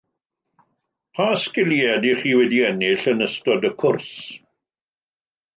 Pa sgiliau ydych chi wedi ennill yn ystod y cwrs?